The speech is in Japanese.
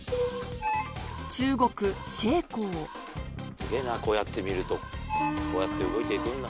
すげぇなこうやって見るとこうやって動いていくんだ。